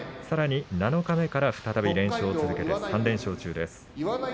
さらに七日目から再び連勝を続けて３連勝中です。